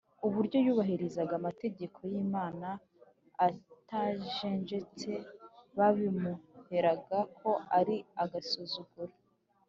. Uburyo yubahirizaga amategeko y’Imana atajenjetse babimuregaga ko ari agasuzuguro.